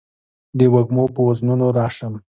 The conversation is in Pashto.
د وږمو په وزرونو راشم